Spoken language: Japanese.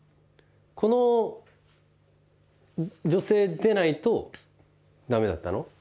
この女性でないと駄目だったの？